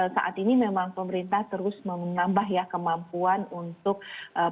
saat ini memang pemerintah terus menambah ya kemampuan untuk